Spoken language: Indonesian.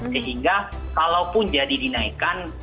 sehingga kalaupun jadi dinaikkan